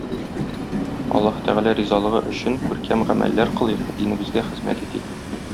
Аллаһы Тәгалә ризалыгы өчен күркәм гамәлләр кылыйк, динебезгә хезмәт итик.